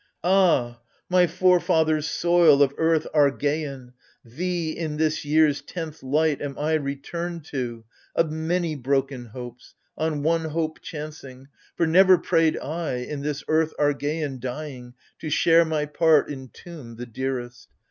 Ha, my forefathers' soil of earth Argeian ! Thee, in this year's tenth light, am I returned to — Of many broken hopes, on one hope chancing ; For never prayed I, in this earth Argeian Dying, to share my part in tomb the dearest.